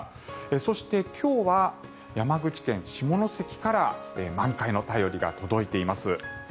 そして、今日は山口県下関から満開の便りが届いています。